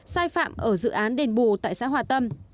sai phạm ở dự án đền bù tại xã hòa tâm